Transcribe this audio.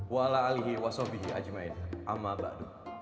waalaikumsalam warahmatullahi wabarakatuh